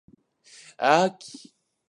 あき